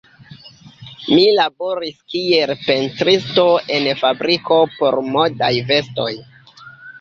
Mi laboris kiel pentristo en fabriko por modaj vestoj.